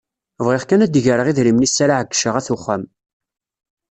Bɣiɣ kan ad d-greɣ idrimen iss ara εeyyceɣ ayt uxxam.